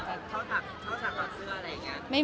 มันเป็นปัญหาจัดการอะไรครับ